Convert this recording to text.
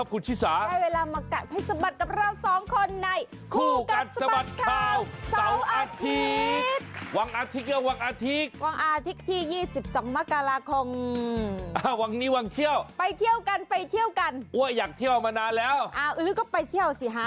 อื้อหรือก็ไปเที่ยวสิฮะ